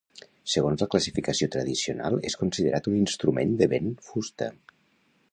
Segons la classificació tradicional és considerat un instrument de vent fusta.